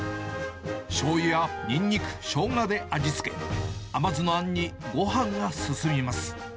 しょうゆやニンニク、ショウガで味付け、甘酢のあんにごはんが進みます。